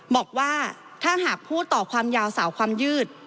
บอกว่าถ้าหากพูดต่อความยาวสาวความยืด